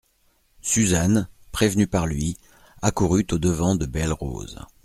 Suzanne, prévenue par lui, accourut au-devant de Belle-Rose.